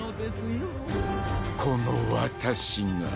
この私が。